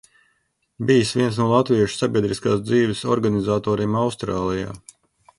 Bijis viens no latviešu sabiedriskās dzīves organizatoriem Austrālijā.